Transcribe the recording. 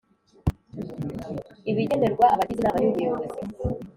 Ibigenerwa abagize Inama y Ubuyobozi